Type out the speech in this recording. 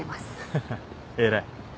ハハハ偉い。